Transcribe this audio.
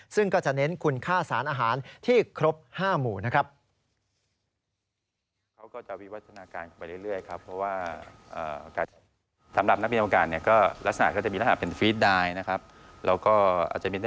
ซึ่งก็จะเน้นคุณค่าสารอาหารที่ครบ๕หมู่นะครับ